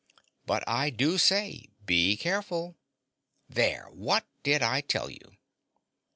"But I do say, be careful. There, what did I tell you!"